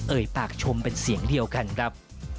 ปากชมเป็นเสียงเดียวกันครับ